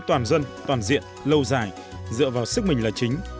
kháng chiến toàn dân toàn diện lâu dài dựa vào sức mình là chính